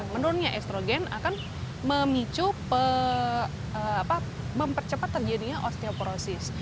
menurunnya estrogen akan memicu mempercepat terjadinya osteoporosis